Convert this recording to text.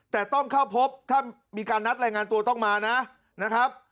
แต่ต้องเข้าพบถ้ามีการนัดรายงานตัวต้องมานะนะครับ